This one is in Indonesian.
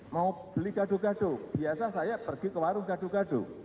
mau beli gadu gadu biasa saya pergi ke warung gadu gadu